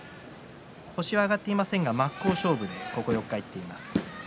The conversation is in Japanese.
星は挙がっていませんが真っ向勝負で対戦しています。